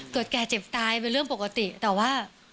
แก่เจ็บตายเป็นเรื่องปกติแต่ว่า